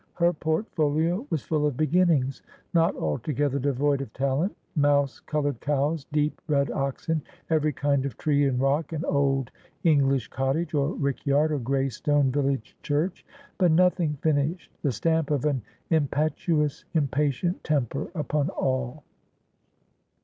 Her portfolio was full of beginnings, not altogether devoid of talent : mouse coloured cows, deep red oxen, every kind of tree and rock and old English cottage, or rick yard, or gray stone village church ; but nothincr finished — the stamp of an im petuous, impatient temper upon all.